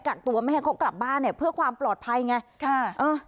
กักตัวไม่ให้เขากลับบ้านเนี่ยเพื่อความปลอดภัยไงค่ะเออ